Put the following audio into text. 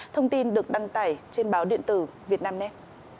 thông tin được đăng tải trên báo điện tử việt nam net